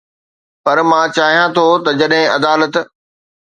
پر مان چاهيان ٿو ته جڏهن عدالت